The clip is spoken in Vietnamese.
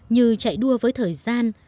như chạy đua với thời gian